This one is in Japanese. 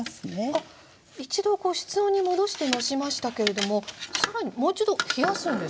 一度室温に戻してのしましたけれどもさらにもう一度冷やすんですか？